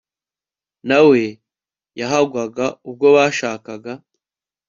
na we yahigwaga ubwo bashakaga